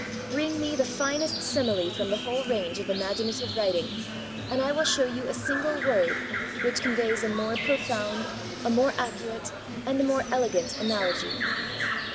Bring me the finest simile from the whole range of imaginative writing, and I will show you a single word which conveys a more profound, a more accurate, and a more elegant analogy.'